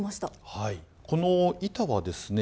はいこの板はですね